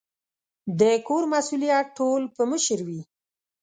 د کور مسؤلیت ټول په مشر وي